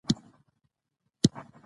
اداري شفافیت د ستونزو ژر حل لامل ګرځي